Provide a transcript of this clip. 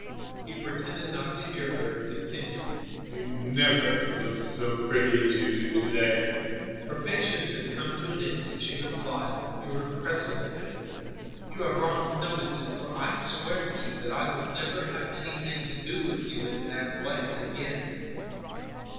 He pretended not to hear her and continued: "You never have looked so pretty as you do to day." Her patience had come to an end, and she replied with irrepressible anger: "You are wrong to notice it, for I swear to you that I will never have anything to do with you in that way again."